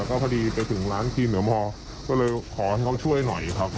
ก็เลยขอให้เขาช่วยหน่อยครับ